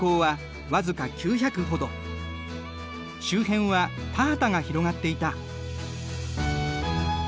周辺は田畑が広がっていた。